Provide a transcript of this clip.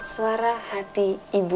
suara hati ibu